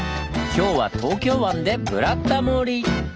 今日は東京湾で「ブラタモリ」！